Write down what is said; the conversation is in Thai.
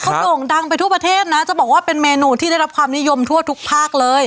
เขาโด่งดังไปทั่วประเทศนะจะบอกว่าเป็นเมนูที่ได้รับความนิยมทั่วทุกภาคเลย